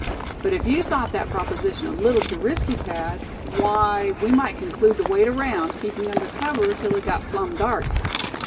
But if you thought that proposition a little too risky, Thad, why we might conclude to wait around, keeping under cover, till it got plumb dark.